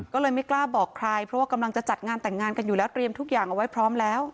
ก็เลยไม่กล้าบอกใครเพราะว่ากำลังจะจัดงานแต่งงานกันอยู่แล้วเตรียมทุกอย่างเอาไว้พร้อมแล้ว